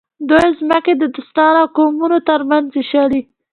دوی ځمکې د دوستانو او قومونو ترمنځ وویشلې.